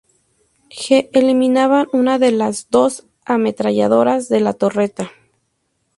G eliminaban una de las dos ametralladoras de la torreta.